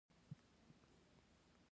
ایا ستاسو دفتر منظم نه دی؟